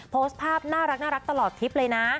โพสต์ภาพน่ารักตลอดทริปเลยนะ